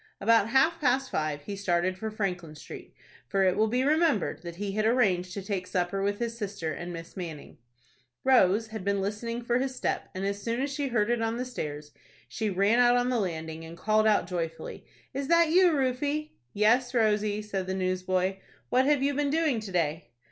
About half past five he started for Franklin Street, for it will be remembered that he had arranged to take supper with his sister and Miss Manning. Rose had been listening for his step, and as soon as she heard it on the stairs, she ran out on the landing, and called out, joyfully, "Is that you, Rufie?" "Yes, Rosie," said the newsboy. "What have you been doing to day?"